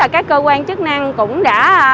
các cơ quan chức năng cũng đã